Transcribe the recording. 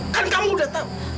kan kamu udah tau